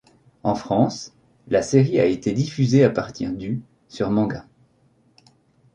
En France, la série a été diffusée à partir du sur Mangas.